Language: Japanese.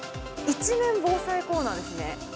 一面、防災コーナーですね。